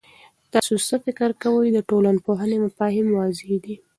تاسو څه فکر کوئ، د ټولنپوهنې مفاهیم واضح دي؟